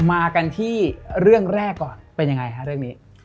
มากันที่เรื่องแรกก่อนเป็นยังไงฮะเรื่องนี้